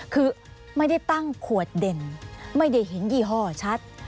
คือไม่ได้ตั้งขวดเด่นไม่ได้เห็นยี่ห้อชัด